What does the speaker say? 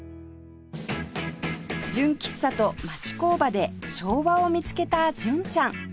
純喫茶と町工場で昭和を見つけた純ちゃん